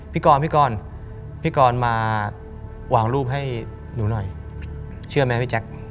พี่กรพี่กรพี่กรมาวางรูปให้หนูหน่อยเชื่อไหมพี่แจ๊ค